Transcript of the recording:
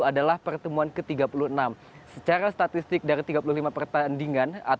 adalah pertemuan ketiga